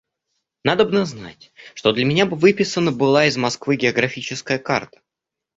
Надобно знать, что для меня выписана была из Москвы географическая карта.